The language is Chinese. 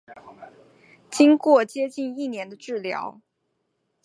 经过接近一年的治疗